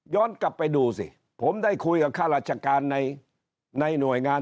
กลับไปดูสิผมได้คุยกับข้าราชการในหน่วยงาน